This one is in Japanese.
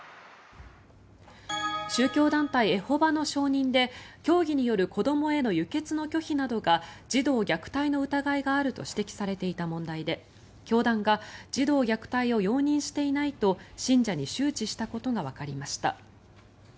宗教団体エホバの証人で教義による子どもへの輸血の拒否などが児童虐待の疑いがあると指摘されていた問題で教団が児童虐待を容認していないと信者に周知したことがわかりました。